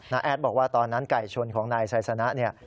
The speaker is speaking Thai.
แอดบอกว่าตอนนั้นไก่ชนของนายไซสนะเนี่ย